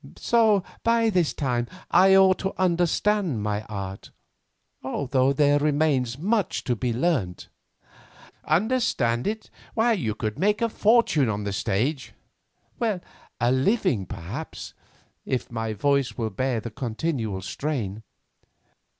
So, by this time, I ought to understand my art, although there remains much to be learnt." "Understand it! Why, you could make a fortune on the stage." "A living, perhaps, if my voice will bear the continual strain.